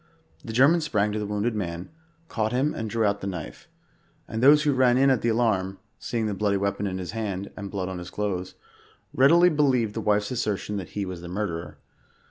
The German sprang to the wounded man, caught him and drew out the knife ; and those who ran in at the alarm, seeing the bloody weapon in his hand, and blood on his clothes, readi ly believed the wife's assertion that he was the murderer.